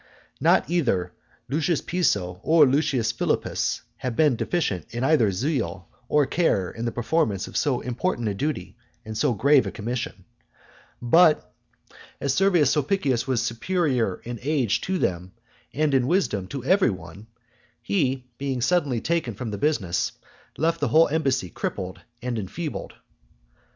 Not that either Lucius Piso or Lucius Philippus have been deficient in either zeal or care in the performance of so important a duty and so grave a commission; but, as Servius Sulpicius was superior in age to them, and in wisdom to every one, he, being suddenly taken from the business, left the whole embassy crippled and enfeebled.